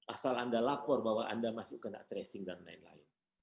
asal anda lapor bahwa anda masuk kena tracing dan lain lain